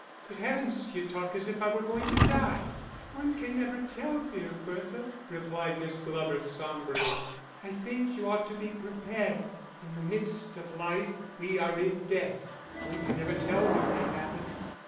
"Good heavens, you talk as if I were going to die." "One can never tell, dear Bertha," replied Miss Glover, sombrely; "I think you ought to be prepared.... 'In the midst of life we are in death' one can never tell what may happen."